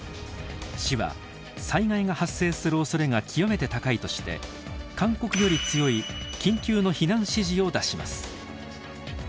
市は災害が発生するおそれが極めて高いとして勧告より強い緊急の避難指示を出します。